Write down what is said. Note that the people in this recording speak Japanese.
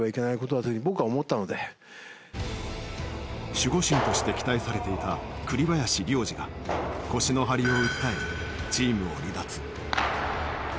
守護神として期待されていた栗林良吏が腰の張りを訴えチームを離脱。